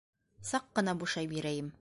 Саҡ ҡына бушай бирәйем.